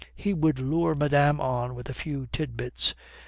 He would lure madame on with a few tit bits.